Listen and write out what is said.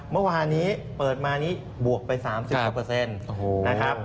เมื่อวานี้เปิดมานี่บวกไป๓๐นะครับ